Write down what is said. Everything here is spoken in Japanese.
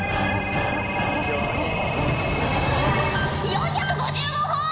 ４５５ほぉ！